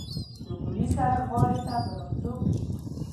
د عمومي سړک غاړې ته په راوتلو کې وو.